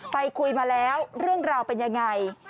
ไปคุยมาแล้วเรื่องราวเป็นยังไง